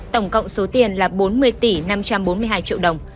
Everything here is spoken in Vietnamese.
tổng cộng số tiền là bốn mươi tỷ năm trăm bốn mươi hai triệu đồng